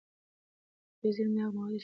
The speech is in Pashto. طبیعي زېرمې هغه مواد دي چې انسان یې نه جوړوي.